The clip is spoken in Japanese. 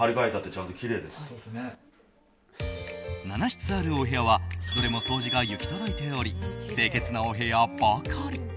７室あるお部屋はどれも掃除が行き届いており清潔なお部屋ばかり。